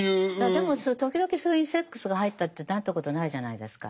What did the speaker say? でも時々そういうセックスが入ったってなんてことないじゃないですか。